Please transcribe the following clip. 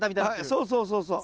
そうそうそうそう。